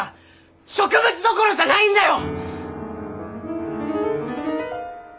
植物どころじゃないんだよ！